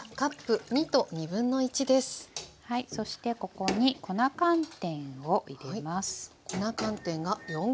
そしてここに粉寒天を入れます。